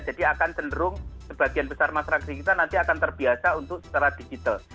jadi akan cenderung sebagian besar masyarakat kita nanti akan terbiasa untuk secara digital